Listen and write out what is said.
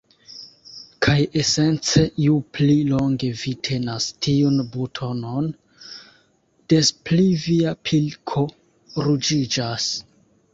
Kaj esence ju pli longe vi tenas tiun butonon, des pli via pilko ruĝiĝas.